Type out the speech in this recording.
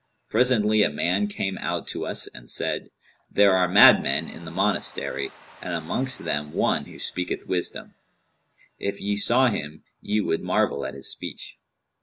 Presently a man came out to us and said, 'There are madmen in the monastery,[FN#200] and amongst them one who speaketh wisdom; if ye saw him, ye would marvel at his speech.'